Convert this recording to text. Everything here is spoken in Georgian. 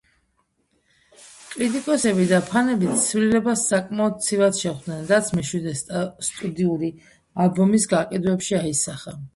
კრიტიკოსები და ფანები ცვლილებას საკმაოდ ცივად შეხვდნენ რაც მეშვიდე სტუდიური ალბომის გაყიდვებში აისახა.